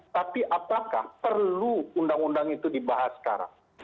tapi apakah perlu undang undang itu dibahas sekarang